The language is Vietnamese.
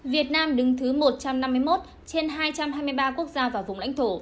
việt nam đứng thứ một trăm năm mươi một trên hai trăm hai mươi ba quốc gia và vùng lãnh thổ